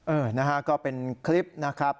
เออนะฮะก็เป็นคลิปนะครับ